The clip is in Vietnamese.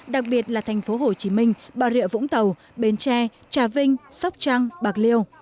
đặc biệt là thành phố hồ chí minh bà rịa vũng tàu bến tre trà vinh sóc trăng bạc liêu